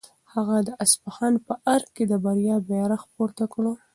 هغه د اصفهان په ارګ کې د بریا بیرغ پورته کړ.